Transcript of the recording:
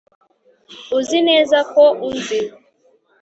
uzi neza ko unzi